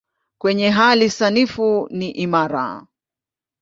Kwenye hali sanifu ni imara.